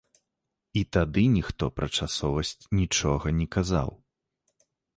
І тады ніхто пра часовасць нічога не казаў.